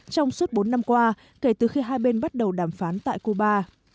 trong suốt bốn năm qua kể từ khi hai bên bắt đầu đàm phán tại cuba